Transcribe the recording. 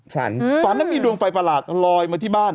ฝันฝันนั้นมีดวงไฟประหลาดลอยมาที่บ้าน